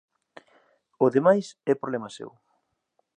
O demais é problema seu.